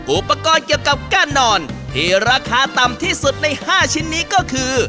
อุปกรณ์เกี่ยวกับก้านนอนที่ราคาต่ำที่สุดใน๕ชิ้นนี้ก็คือ